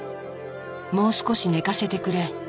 もう少し寝かせてくれ。